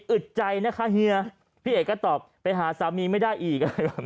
อึดใจนะคะเฮียพี่เอกก็ตอบไปหาสามีไม่ได้อีก